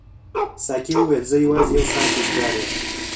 ساقي وویل زه یوازې یو ساعت وزګار یم.